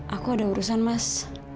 aku ada urusan mas